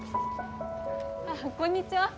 ああこんにちは。